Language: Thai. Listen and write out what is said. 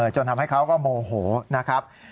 จนทำให้เขาก็โมโหนะครับ